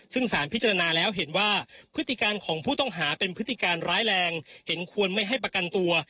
ซึ่งสารพิจารณาแล้วเห็นว่าพฤติการของผู้ต้องหาเป็นพฤติการร้ายแรงเห็นควรไม่ให้ประกันตัว